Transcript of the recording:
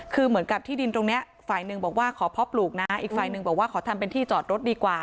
คือเหมือนกับที่ดินตรงนี้ขอภอปลูกขอทำเป็นที่จอดรถดีกว่า